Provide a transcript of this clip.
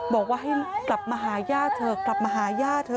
บอกว่าให้กลับมาหาย่าเถอะกลับมาหาย่าเธอ